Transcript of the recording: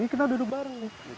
kita duduk bareng nih